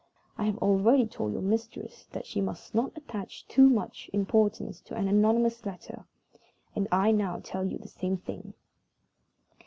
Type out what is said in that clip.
I have already told your mistress that she must not attach too much importance to an anonymous letter; and I now tell you the same thing."